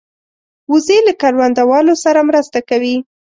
وزې له کروندهوالو سره مرسته کوي